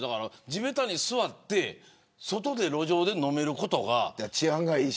地べたに座って外で、路上で飲めることが。